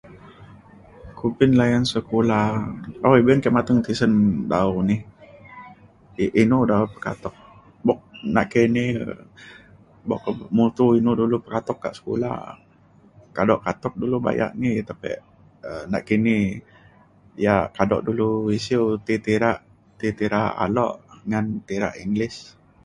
kumbin layan sekula. um be’un mateng ke tisen dau ini i- inu dau pekatuk buk nakini buk ko mutu inu pekatuk da kak sekula kado katuk dulu bayak ni tapek um nakini yak kado dulu isiu ti tirak ti tirak alok ngan tirak English